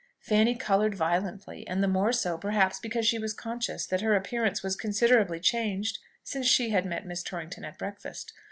Fanny coloured violently, and the more so, perhaps, because she was conscious that her appearance was considerably changed since she met Miss Torrington at breakfast.